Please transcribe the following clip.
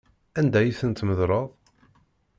Anda ay tent-tmeḍleḍ?